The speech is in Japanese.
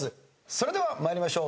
それでは参りましょう。